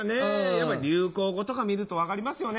やっぱ流行語とか見ると分かりますよね。